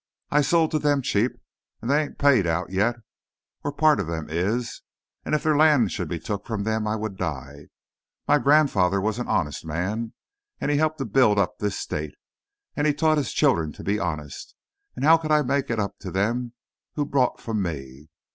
I sold to them cheap, and they aint paid out yet, but part of them is, and if their land should be took from them I would die. My grandfather was an honest man, and he helped to build up this state, and he taught his children to be honest, and how could I make it up to them who bought from me?